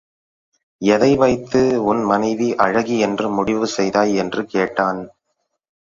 எதை வைத்து உன் மனைவி அழகி என்று முடிவு செய்தாய்? என்று கேட்டான்.